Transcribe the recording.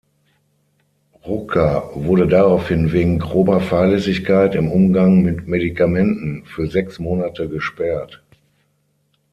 Rucker wurde daraufhin wegen „grober Fahrlässigkeit im Umgang mit Medikamenten“ für sechs Monate gesperrt.